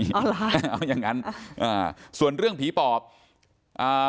เห็นมั้ยเอาล่ะอย่างงั้นเออส่วนเรื่องผีปอบอ่า